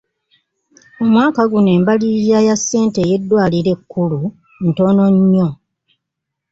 Omwaka guno embalirira ya ssente ey'eddwaliro ekkulu ntono nnyo.